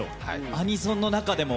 アニソンの中でも。